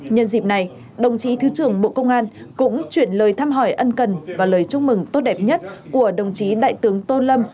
nhân dịp này đồng chí thứ trưởng bộ công an cũng chuyển lời thăm hỏi ân cần và lời chúc mừng tốt đẹp nhất của đồng chí đại tướng tô lâm